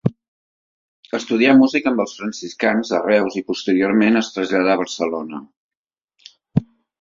Estudià música amb els Franciscans, a Reus, i posteriorment es traslladà a Barcelona.